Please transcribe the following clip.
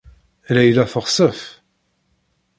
Layla texsef.